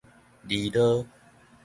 哩囉